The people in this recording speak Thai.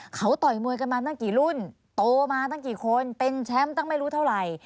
เขาต่อยมวยกันมาตั้งกี่รุ่นโตมาตั้งกี่คนเป็นแชมป์ตั้งไม่รู้เท่าไหร่